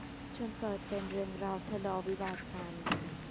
จนเกิดเป็นเรื่องราวทะเลาะวิวาทกัน